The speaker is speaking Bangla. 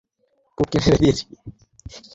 আমি কারো সাথে দেখা করেছি।